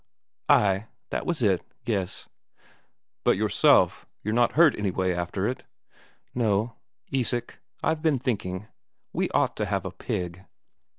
"Ay, that was it yes." "But yourself you're not hurt anyway after it?" "No. Isak, I've been thinking, we ought to have a pig."